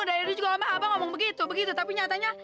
dari dulu juga lama abang ngomong begitu begitu tapi nyatanya